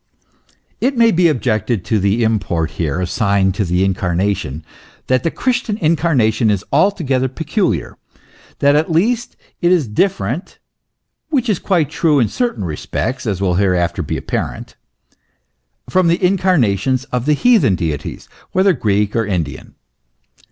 It may be objected to the import here assigned to the Incar nation, that the Christian Incarnation is altogether peculiar, that at least it is different (which is quite true in certain respects, as will hereafter be apparent) from the incarnations of the heathen deities, whether Greek or Indian.